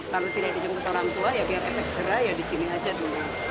kalau tidak dijemput orang tua ya biar efek jerah ya di sini aja dulu